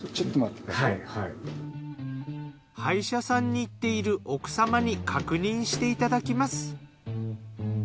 歯医者さんに行っている奥様に確認していただきます。